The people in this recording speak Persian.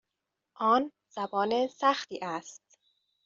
آن زبان سختی است.